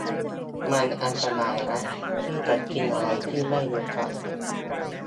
มันอันตรายนะที่จะกินอะไรที่ไม่รู้จัก